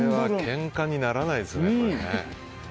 けんかにならないですね、これ。